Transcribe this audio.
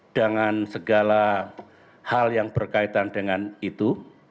dengan segala hal yang berkaitan dengan itu